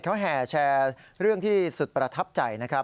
เขาแห่แชร์เรื่องที่สุดประทับใจนะครับ